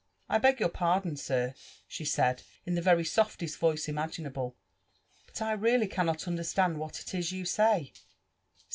I beg your pardon, air,'' she said in the ^ery softest voiee^ imagin ftUe, *f but I really cannot understand what it is you say.